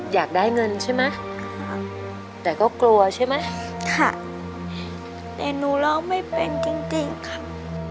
อยากได้เงินใช่ไหมแต่ก็กลัวใช่ไหมค่ะแต่หนูร้องไม่เป็นจริงจริงค่ะ